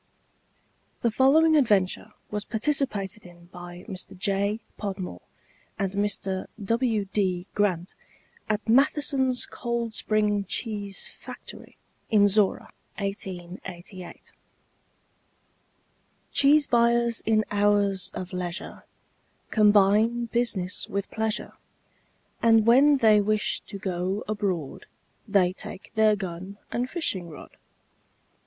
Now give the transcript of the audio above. The following adventure was participated in by Mr. J. Podmore and Mr. W. D. Grant at Matheson's Cold Spring Cheese Factory in Zorra, 1888. Cheese buyers in hours of leisure Combine business with pleasure, And when they wish to go abroad They take their gun and fishing rod.